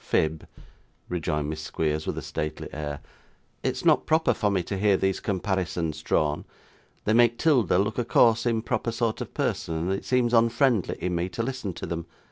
'Phib,' rejoined Miss Squeers, with a stately air, 'it's not proper for me to hear these comparisons drawn; they make 'Tilda look a coarse improper sort of person, and it seems unfriendly in me to listen to them.